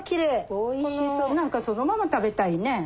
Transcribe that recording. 何かそのまま食べたいね。